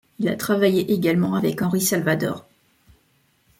Il a travaillé également avec Henri Salvador.